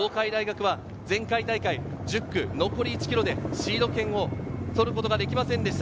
前回大会１０区、残り１ｋｍでシード権を取ることができませんでした。